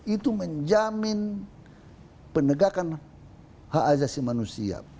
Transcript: itu menjamin penegakan hak ajasi manusia